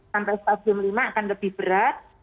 sampai stadium lima akan lebih berat